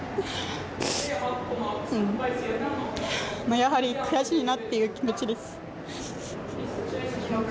やはり悔しいなっていう気持ちです。